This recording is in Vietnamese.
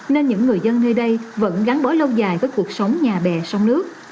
nên những người dân nơi đây vẫn gắn bó lâu dài với cuộc sống nhà bè sông nước